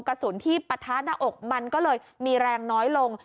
กระสุนที่ปะทะหน้าอกมันก็เลยมีแรงน้อยลง